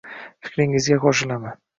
Fikringizga qo'shilaman.